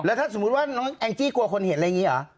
ถ้าสมมุติว่าน้องแองจี้กลัวคนเห็นอะไรอย่างนี้เหรอ